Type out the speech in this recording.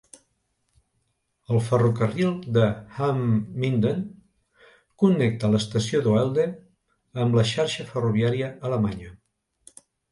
El ferrocarril de Hamm-Minden connecta l'estació d'Oelde amb la xarxa ferroviària Alemanya.